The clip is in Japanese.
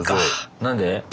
何で？